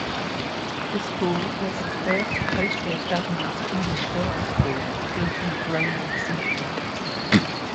The school was the first post-war government English girls' school built in colonial Singapore.